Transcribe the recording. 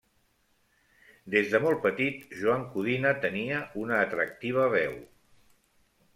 Des de molt petit, Joan Codina tenia una atractiva veu.